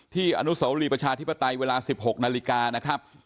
อนุสวรีประชาธิปไตยเวลา๑๖นาฬิกานะครับ